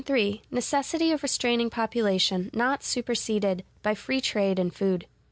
Necessity of Restraining Population not superseded by Free Trade in Food.